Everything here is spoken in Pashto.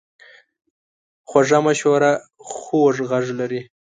خوږه مشوره خوږ غږ لري.